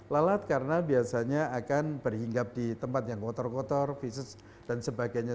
lalat karena biasanya akan berhinggap di tempat yang kotor kotor fisik dan sebagainya